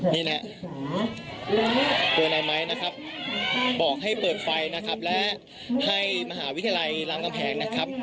นี่แหละตัวนายไม้นะครับบอกให้เปิดไฟนะครับและให้มหาวิทยาลัยรามกำแหงนะครับ